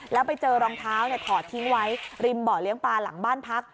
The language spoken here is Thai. แล้วไปเจอรองเท้าถอดทิ้งไว้ริมบ่อเลี้ยงปลาหลังบ้านพัก